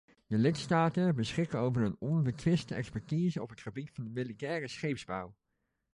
De lidstaten beschikken over een onbetwiste expertise op het gebied van de militaire scheepsbouw.